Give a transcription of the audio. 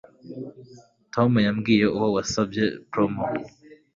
Tom yambwiye uwo wasabye prom